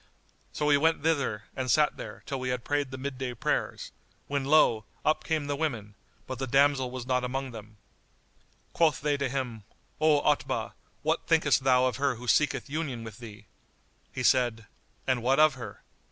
So we went thither and sat there, till we had prayed the midday prayers, when lo! up came the women; but the damsel was not among them. Quoth they to him, "O Otbah, what thinkest thou of her who seeketh union with thee?" He said, "And what of her?"